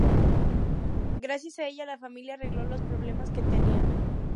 Gracias a ella la familia arregló los problemas que tenía.